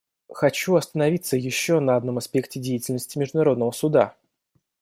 Хочу остановиться еще на одном аспекте деятельности Международного Суда.